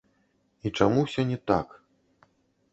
І чаму ўсё не так.